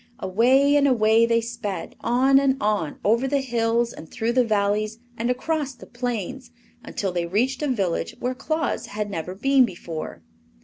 Away and away they sped, on and on over the hills and through the valleys and across the plains until they reached a village where Claus had never been before.